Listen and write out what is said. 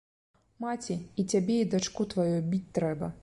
Маці, і цябе і дачку тваю біць трэба.